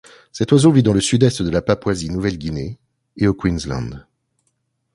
Cet oiseau vit dans le sud-est de la Papouasie-Nouvelle-Guinée et au Queensland.